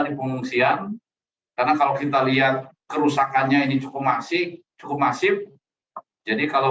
di pengungsian karena kalau kita lihat kerusakannya ini cukup masif cukup masif jadi kalau